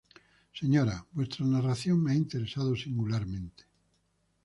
Señora: Vuestra narración me ha interesado singularmente.